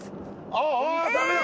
あぁあぁダメだ。